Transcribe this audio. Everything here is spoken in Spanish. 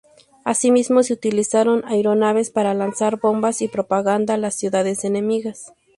Asimismo, se utilizaron aeronaves para lanzar bombas y propaganda a las ciudades enemigas.